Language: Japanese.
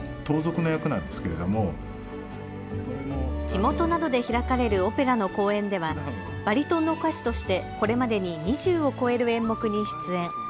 地元などで開かれるオペラの公演ではバリトンの歌手としてこれまでに２０を超える演目に出演。